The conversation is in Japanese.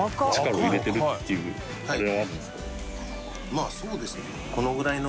まぁそうですね。